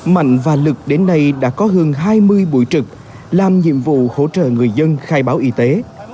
mạnh và lực đến nay đã có hơn hai mươi bụi trực làm nhiệm vụ hỗ trợ người dân khai báo y tế